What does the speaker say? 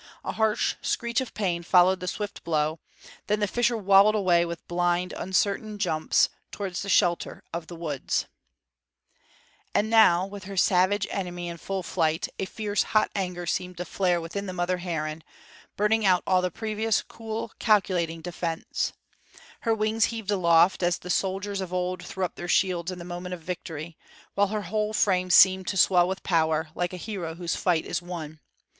A harsh screech of pain followed the swift blow; then the fisher wobbled away with blind, uncertain jumps towards the shelter of the woods. [Illustration: "A DOZEN TIMES THE FISHER JUMPED, FILLING THE AIR WITH FEATHERS"] And now, with her savage enemy in full flight, a fierce, hot anger seemed to flare within the mother heron, burning out all the previous cool, calculating defense. Her wings heaved aloft, as the soldiers of old threw up their shields in the moment of victory; while her whole frame seemed to swell with power, like a hero whose fight is won.